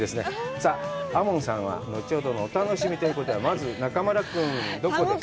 さあ、亞門さんは後ほどのお楽しみということで、まず中丸君、どこですか？